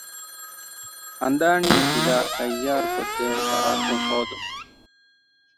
ހަނދާނީފިލާ ތައްޔާރު ކޮށްދޭނެ ފަރާތެއް ހޯދުމަށް